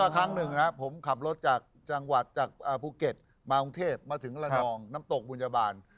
ครั้งหนึ่งผมขับรถจากจังหวัดจากภูเก็ตมากรุงเทพมาถึงระนองน้ำตกบุญญาบาล